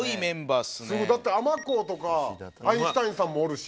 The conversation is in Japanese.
だって尼神とかアインシュタインさんもおるし。